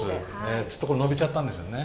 ちょっとこれ延びちゃったんですよね。